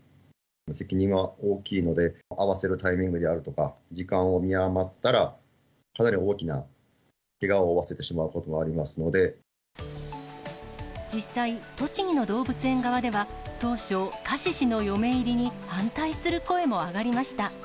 責任は大きいので、会わせるタイミングであるとか、時間を見誤ったら、かなり大きなけがを負わせてしまうこともありますので。実際、栃木の動物園側では、当初、カシシの嫁入りに反対する声も上がりました。